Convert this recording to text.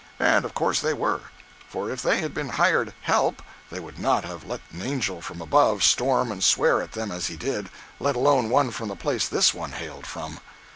And of course they were; for if they had been hired "help" they would not have let an angel from above storm and swear at them as he did, let alone one from the place this one hailed from.